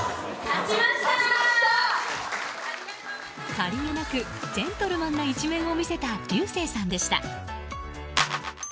さりげなくジェントルマンな一面を見せた、流星さんでした。